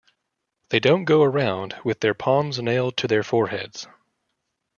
They don't go around with their palms nailed to their foreheads.